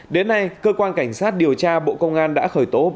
đến nay cơ quan cảnh sát điều tra bộ công an đã khởi tố